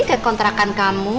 ke kontrakan kamu